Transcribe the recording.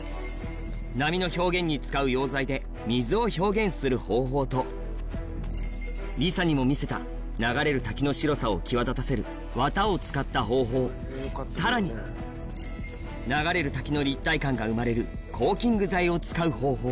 波の表現に使う溶剤で水を表現する方法とりさにも見せた流れる滝の白さを際立たせる綿を使った方法さらに流れる滝の立体感が生まれる